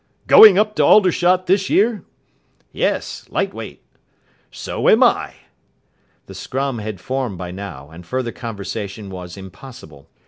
"Going up to Aldershot this year?" "Yes. Light Weight." "So am I." The scrum had formed by now, and further conversation was impossible.